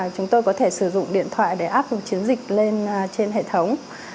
chúng tôi có thể sử dụng điện thoại để app một chiến dịch lên trên hệ thống